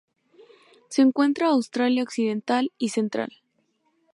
Se encuentra Australia occidental y central.